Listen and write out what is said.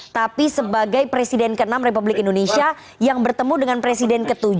tapi sebagai presiden ke enam republik indonesia yang bertemu dengan presiden ke tujuh